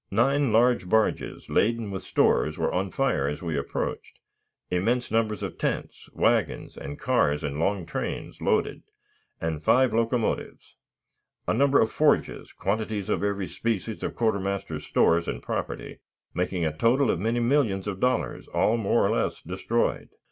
"Nine large barges, laden with stores, were on fire as we approached; immense numbers of tents, wagons, and cars in long trains, loaded, and five locomotives; a number of forges; quantities of every species of quartermaster's stores and property, making a total of many millions of dollars all more or less destroyed.